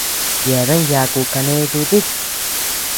Yeabean yaku kané dutit.